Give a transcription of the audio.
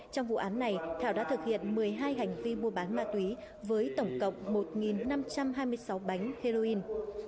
trong vụ án này thảo đã thực hiện một mươi hai hành vi mua bán ma túy với tổng cộng một năm trăm hai mươi sáu bánh heroin